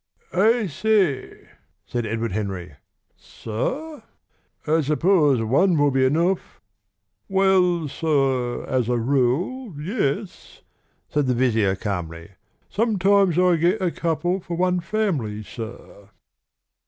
"I say " said Edward Henry. "Sir?" "I suppose one will be enough?" "Well, sir, as a rule, yes," said the vizier calmly. "Sometimes I get a couple for one family, sir."